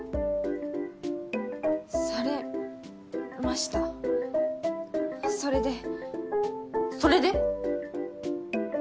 されましたそれでそれで？